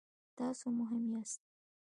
تاسو مهم یاست